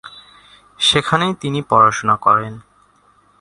সেখানেই তিনি পড়াশোনা করেন।